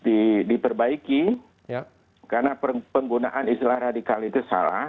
ini harus diperbaiki karena penggunaan istilah radikal itu salah